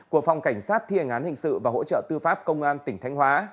của phòng cảnh sát thi hành án hình sự và hỗ trợ tư pháp công an tỉnh thanh hóa